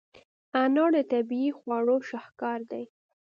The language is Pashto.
انار د طبیعي خواړو شاهکار دی.